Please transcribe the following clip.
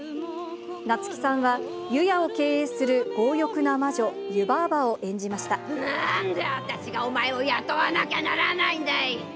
夏木さんは、湯屋を経営する強欲な魔女、なんで私がお前を雇わなきゃならないんだい！